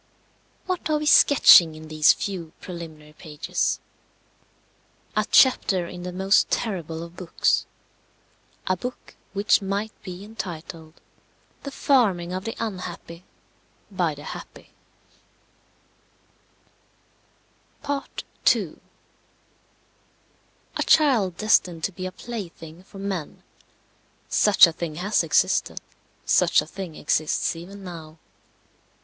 What are we sketching in these few preliminary pages? A chapter in the most terrible of books; a book which might be entitled The farming of the unhappy by the happy. II. A child destined to be a plaything for men such a thing has existed; such a thing exists even now.